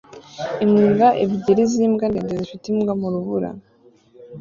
Imbwa ebyiri zimbwa ndende zifite imbwa mu rubura